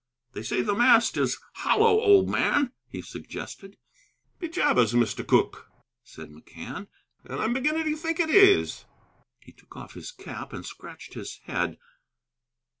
"They say the mast is hollow, old man," he suggested. "Be jabers, Mr. Cooke," said McCann, "and I'm beginning to think it is! "He took off his cap and scratched his head.